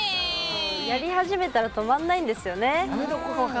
やり始めたら止まんないんですよね。